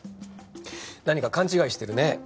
何か勘違いしてるね。